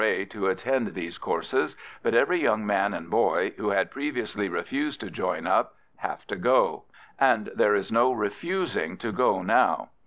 A. to attend these courses, but every young man and boy, who had previously refused to join up, have to go; and there is no refusing to go now.